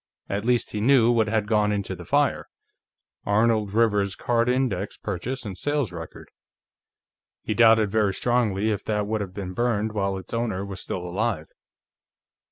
At least, he knew what had gone into the fire: Arnold Rivers's card index purchase and sales record. He doubted very strongly if that would have been burned while its owner was still alive.